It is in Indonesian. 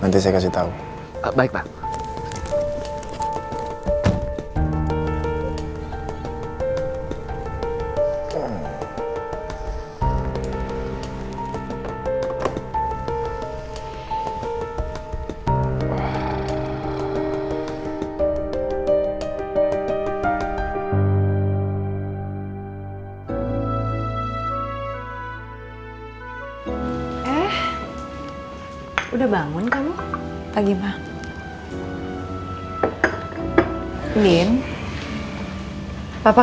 tapi udah demi dia